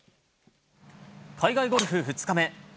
海外ゴルフ２日目。